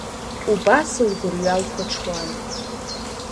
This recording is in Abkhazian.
Убас лгәырҩа лхәаҽуан.